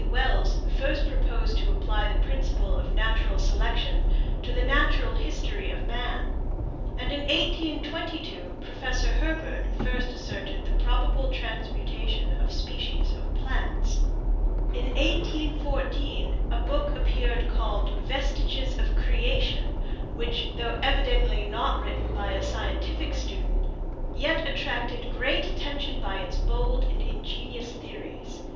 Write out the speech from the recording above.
Wells first proposed to apply the principle of natural selection to the natural history of man, and in 1822 Professor Herbert first asserted the probable transmutation of species of plants. In 1844 a book appeared called "Vestiges of Creation," which, though evidently not written by a scientific student, yet attracted great attention by its bold and ingenious theories.